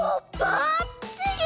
ばっちり！